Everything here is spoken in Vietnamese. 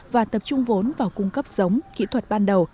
và tập trung vốn vào cung cấp giống kỹ thuật ban đầu